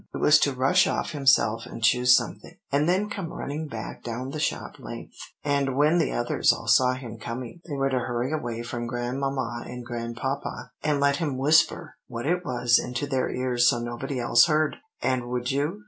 It was to rush off himself and choose something, and then come running back down the shop length; and when the others all saw him coming, they were to hurry away from Grandmamma and Grandpapa, and let him whisper what it was into their ears so nobody else heard, and 'Would you?